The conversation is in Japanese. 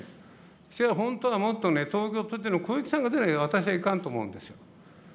それは本当はもっとね、東京都知事の小池さんが出なきゃ、私はいかんと思うんですよ。